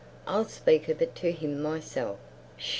I'll speak of it to him myself—Sh!